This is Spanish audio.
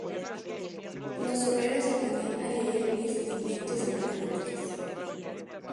Los obreros aprendían a leer y rudimentos de matemáticas.